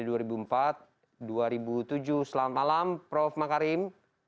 selamat malam prof makarim